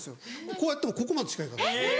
こうやってもここまでしか行かない。